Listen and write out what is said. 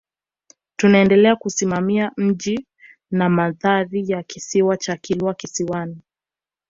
Tutaendelea kusimamia mji na mandhari ya Kisiwa cha Kilwa Kisiwani